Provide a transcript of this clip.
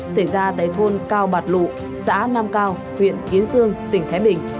xảy ra tại thôn cao bạc lụ xã nam cao huyện kiến sinh